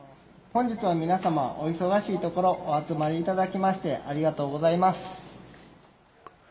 本日は皆様、お忙しいところ、お集まりいただきまして、ありがとうございます。